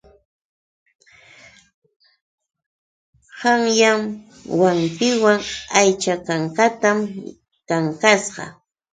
Qanyan wawqiiwan aycha kankatam kankasqa.